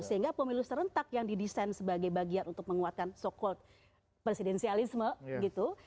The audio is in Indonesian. sehingga pemilu serentak yang didesain sebagai bagian untuk menguatkan so call presidensialisme gitu